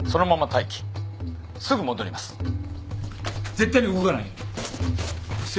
絶対に動かないように。